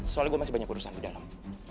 soalnya gue masih banyak urusan di dalam